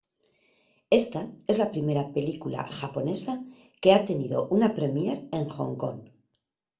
Ésta es la primera película japonesa que ha tenido una premier en Hong Kong.